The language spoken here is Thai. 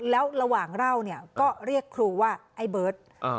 แล้วระหว่างเล่าเนี่ยก็เรียกครูว่าไอ้เบิร์ต